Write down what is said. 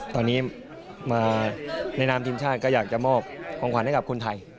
ตอนนี้มาในนามทีมชาติก็อยากจะมอบของขวัญให้กับคนไทย